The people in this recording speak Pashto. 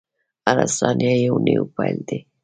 • هره ثانیه یو نوی پیل دی.